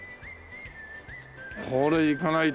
これ行かないと。